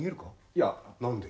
いや。何で？